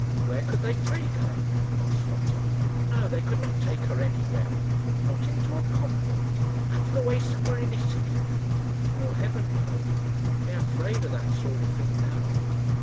"Where could they take her?" asked Lotta. "No; they could not take her anywhere." "Not into a convent out of the way somewhere in Italy?" "Oh, heaven, no! They are afraid of that sort of thing now.